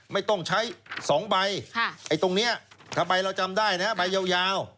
ไม่ต้องใช้๒ใบตรงนี้ทำไมเราจำได้นะใบยาว